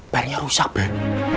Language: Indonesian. barunya rusak beb